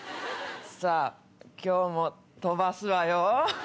さぁ今日も飛ばすわよ！